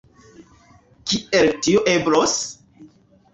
Kiel tio eblos?